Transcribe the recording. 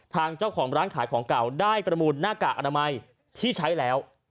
ทางเจ้าของร้านขายของเก่าได้ประมูลหน้ากากอนามัยที่ใช้แล้ว